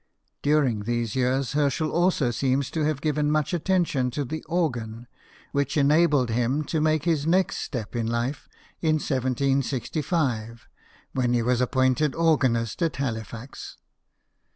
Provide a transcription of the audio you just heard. During these years, Herschel also seems to have given much attention to the organ, which enabled him to make his next step in life in I 7^ t 5t when he was appointed organist at Halifax.